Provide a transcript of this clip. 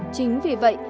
chính vì vậy